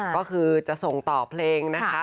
ก็คือจะส่งต่อเพลงนะคะ